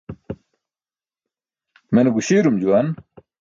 Mene guśiirum juwan.